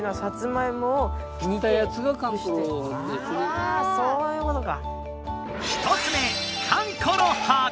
あそういうことか。